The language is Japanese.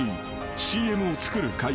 ［ＣＭを作る会社］